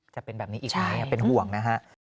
จะเป็นแบบนี้อีกไหมเป็นห่วงนะฮะ